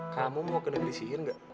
kamu mau ke negeri sihir gak